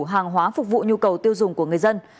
hàng hóa phục vụ nhu cầu tiêu dùng của người dân